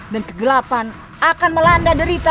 dan kegelapan akan melanda derita